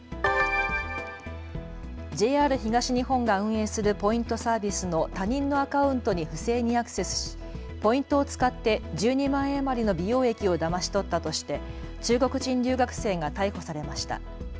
ＪＲ東日本が運営するポイントサービスの他人のアカウントに不正にアクセスしポイントを使って１２万円余りの美容液をだまし取ったとして中国人留学生が逮捕されました。